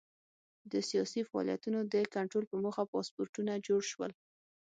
د سیاسي فعالیتونو د کنټرول په موخه پاسپورټونه جوړ شول.